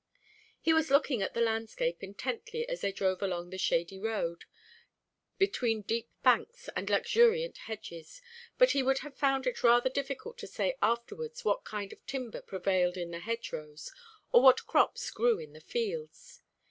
He was looking at the landscape intently as they drove along the shady road, between deep banks and luxuriant hedges; but he would have found it rather difficult to say afterwards what kind of timber prevailed in the hedgerows, or what crops grew in the fields.